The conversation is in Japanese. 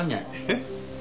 えっ？